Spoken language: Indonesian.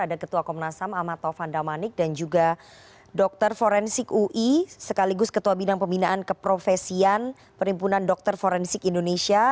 ada ketua komnasam amatov vandamanik dan juga dr forensik ui sekaligus ketua bidang pembinaan keprofesian perimpunan dr forensik indonesia